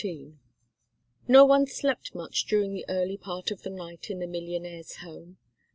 No one slept much during the early part of the night in the millionaire's home.